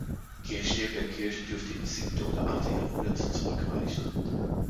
Die Entstehung der Kirche dürfte ins siebte oder achte Jahrhundert zurückreichen.